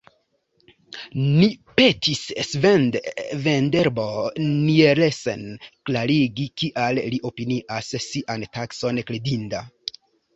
Ni petis Svend Vendelbo Nielsen klarigi, kial li opinias sian takson kredinda.